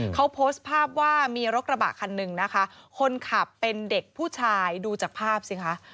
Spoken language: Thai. เขาโพสต์ภาพว่ามีรถกระบะคันหนึ่งนะคะคนขับเป็นเด็กผู้ชายดูจากภาพสิคะ